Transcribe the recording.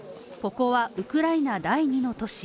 ここはウクライナ第２の都市